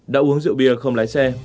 đã uống rượu bia không lái xe